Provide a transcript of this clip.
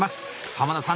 濱田さん